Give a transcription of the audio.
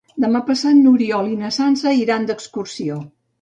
Demà passat n'Oriol i na Sança iran d'excursió.